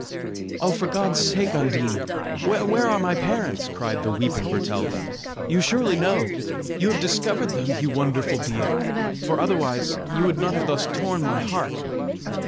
"Oh! for God's sake, Undine, where are my parents?" cried the weeping Bertalda; "you surely know; you have discovered them, you wonderful being, for otherwise you would not have thus torn me heart.